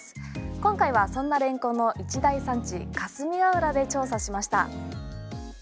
今回はそんなレンコンの一大産地霞ヶ浦で調査しました。